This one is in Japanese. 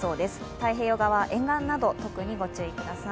太平洋側、沿岸など特に御注意ください。